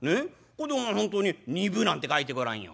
これで本当に『２分』なんて書いてごらんよ。